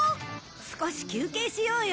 少し休憩しようよ。